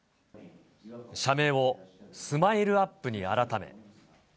社名をスマイルアップに改め。